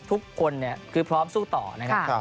ทุกคนเนี่ยคือพร้อมสู้ต่อนะครับ